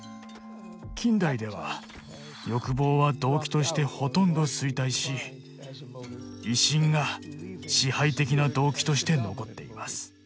近代では欲望は動機としてほとんど衰退し威信が支配的な動機として残っています。